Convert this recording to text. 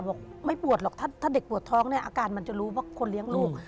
บอกไม่ปวดหรอกถ้าเด็กปวดท้องเนี่ยอาการมันจะรู้ว่าคนเลี้ยงลูก